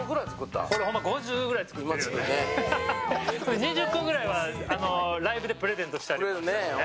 ２０個ぐらいはライブでプレゼントしたりとかして。